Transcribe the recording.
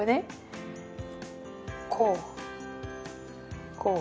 こうこう。